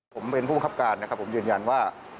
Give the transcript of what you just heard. ผมเป็นผู้บังคับการนะครับผมยืนยันว่า